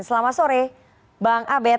selamat sore bang abed